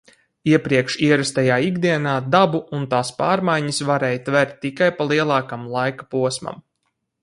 Iepriekš ierastajā ikdienā dabu un tās pārmaiņas varēja tvert tikai pa lielākam laika posmam.